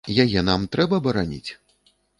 Яе нам трэба бараніць?